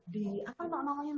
di apa namanya